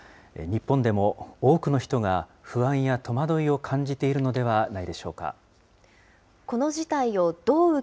日本でも多くの人が不安や戸惑いを感じているのではないでしょう